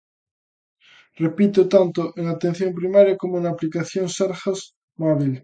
Repito, tanto en atención primaria como na aplicación Sergas Móbil.